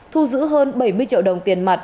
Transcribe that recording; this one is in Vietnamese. thu giữ hơn bảy mươi triệu đồng tiền mặt